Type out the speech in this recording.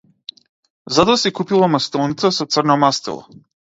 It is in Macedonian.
Затоа си купила мастилница со црно мастило.